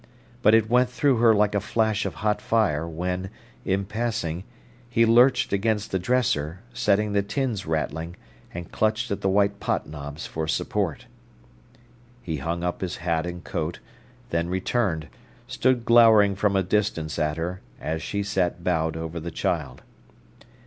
But it went through her like a flash of hot fire when, in passing, he lurched against the dresser, setting the tins rattling, and clutched at the white pot knobs for support. He hung up his hat and coat, then returned, stood glowering from a distance at her, as she sat bowed over the child.